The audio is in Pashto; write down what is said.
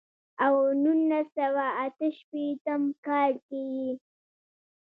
او نولس سوه اتۀ شپېتم کال کښې ئې